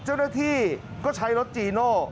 เจ้าหน้าที่ก็ใช้รถจีโน่